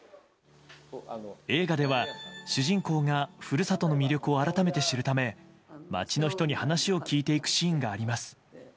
映画では、主人公が故郷の魅力を改めて知るため町の人に話を聞いていくシーンがあります。